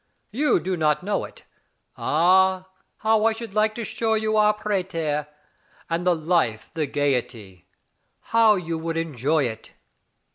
You do not know it. Ah, how I should like to show you our Prater. And the life, the gayety. How you . would enjoy it